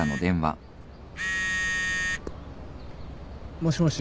もしもし。